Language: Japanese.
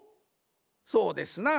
そうですな。